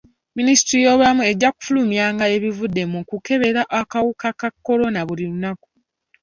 Minisitule y'ebyobulamu ejja kufulumyanga ebivudde mu kukebera akawuka ka kolona buli lunaku.